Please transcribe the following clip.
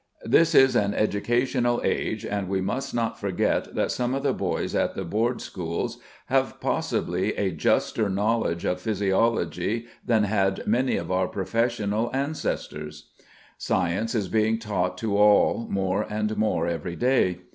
This is an educational age, and we must not forget that some of the boys at the Board Schools have possibly a juster notion of physiology than had many of our professional ancestors. Science is being taught to all more and more every day.